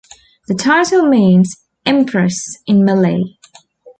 The title means 'Empress' in Malay.